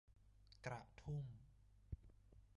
กระทุ่ม